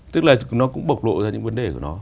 tức là nó cũng bộc lộ ra những vấn đề của nó